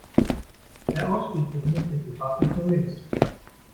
Der Ausstieg befindet sich in Fahrtrichtung links.